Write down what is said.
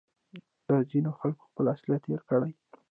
دا ځینو خلکو خپل اصلیت هېر کړی